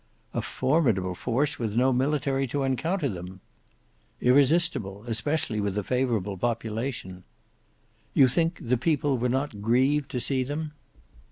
"A formidable force with no military to encounter them." "Irresistible, especially with a favourable population." "You think the people were not grieved to see them?"